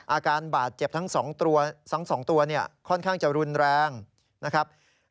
อาการบาดเจ็บทั้ง๒ตัวเนี่ยค่อนข้างจะรุนแรงนะครับ